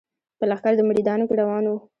په لښکر د مریدانو کي روان وو